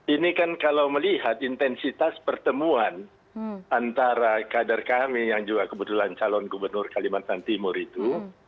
ini kan kalau melihat intensitas pertemuan antara kader kami yang juga kebetulan calon gubernur kalimantan timur itu